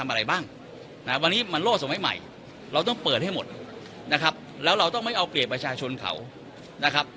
วันนี้มันโล่สมัยใหม่เราต้องเปิดให้หมดนะครับแล้วเราต้องไม่เอาเปรียบประชาชนเขานะครับ